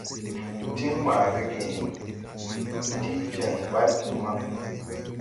Tiŋ ma regen ti jɛŋ bargiŋ maŋ.